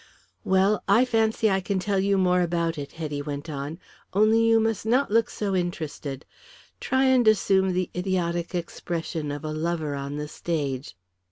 "Well, I fancy I can tell you more about it," Hetty went on. "Only you must not look so interested. Try and assume the idiotic expression of a lover on the stage.